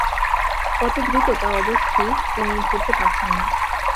কত দ্রুত তা অবশ্যি তিনি ধরতে পারছেন না।